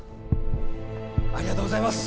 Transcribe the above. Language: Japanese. ありがとうございます！